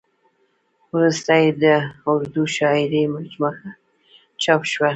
ورسته یې د اردو شاعرۍ مجموعه هم چاپ شوه.